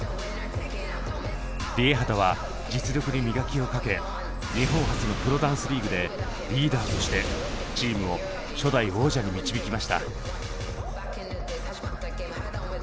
ＲＩＥＨＡＴＡは実力に磨きをかけ日本初のプロダンスリーグでリーダーとしてチームを初代王者に導きました。